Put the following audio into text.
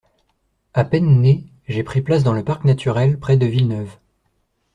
À peine né, j’ai pris place dans le Parc Naturel, près de Villeneuve.